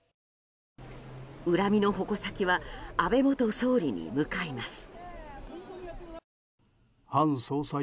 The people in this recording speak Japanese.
恨みの矛先は安倍元総理に向かいます。